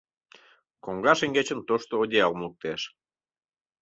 Коҥга шеҥгечын тошто одеялым луктеш.